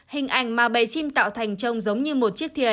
hình ảnh mà bầy chim tạo thành trông giống như một chiếc thịa